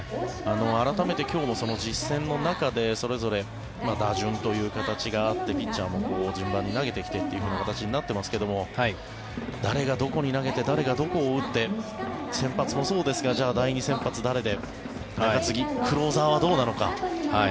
改めて今日の実戦の中でそれぞれ打順という形があってピッチャーも順番に投げてきてという形になっていますが誰がどこに投げて誰がどこを打って先発もそうですがじゃあ第２先発、誰で中継ぎクローザーはどうなのか。